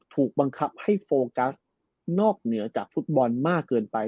ถูกบังคับให้โฟกัสนอกเหนือจากฟุตบอลมากเกินไป